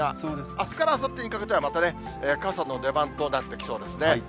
あすからあさってにかけては、またね、傘の出番となってきそうですね。